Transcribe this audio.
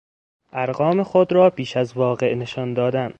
ارقام خود را بیش از واقع نشان دادن